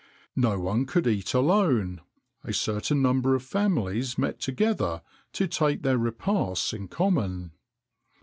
No one could eat alone; a certain number of families met together to take their repasts in common.